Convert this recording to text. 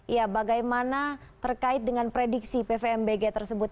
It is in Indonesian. ya bagaimana terkait dengan prediksi pvmbg tersebut